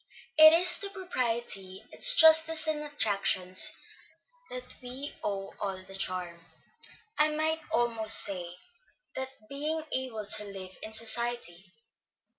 It is to propriety, its justice and attractions, that we owe all the charm, I might almost say, the being able to live in society.